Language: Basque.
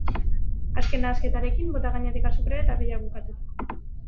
Azken nahasketarekin, bota gainetik azukrea eta pellak bukatuta.